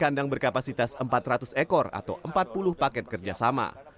kandang berkapasitas empat ratus ekor atau empat puluh paket kerjasama